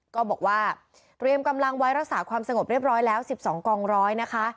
ก็บอกว่าเตรียมกำลังไว้รักษาความสงบเรียบร้อยแล้ว๑๒กองร้อยนะคะ